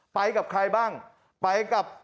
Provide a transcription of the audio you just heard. ไปกับใครบ้างไปกับ